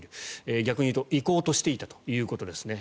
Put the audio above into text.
逆に言うと行こうとしていたということですね。